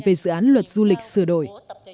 về dự án luật du lịch sửa đổi